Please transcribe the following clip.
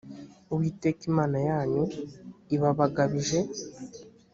uwiteka imana yanyu ibabagabije